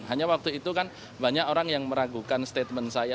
hanya waktu itu kan banyak orang yang meragukan statement saya